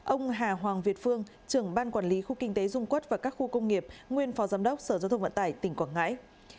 năm ông hà hoàng việt phương trưởng ban quản lý khu kinh tế dung quốc và các khu công nghiệp nguyên phó giám đốc sở giao thông vận tải tỉnh quảng ngãi